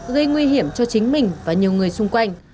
gây nguy hiểm cho chính mình và nhiều người xung quanh